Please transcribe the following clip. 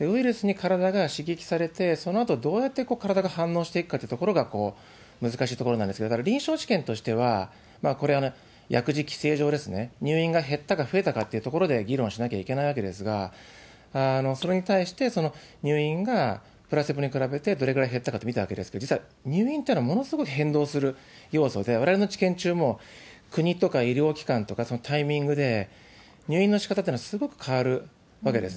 ウイルスに体が刺激されて、そのあとどうやって体が反応していくかというところが難しいところなんですけど、だから、臨床試験としては、これは薬事規制上、入院が減ったか増えたかってところで議論しなきゃいけないわけですが、それに対して入院がプラセボに比べてどれぐらい減ったか見たわけですけれども、実際入院というのはものすごい変動する要素で、われわれの治験中も、国とか医療機関とか、そのタイミングで、入院のしかたっていうのはすごく変わるわけですね。